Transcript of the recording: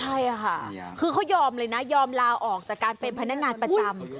ใช่ค่ะคือเขายอมเลยนะยอมลาออกจากการเป็นพนักงานประจำ